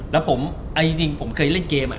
แล้วจริงผมเคยเล่นเกม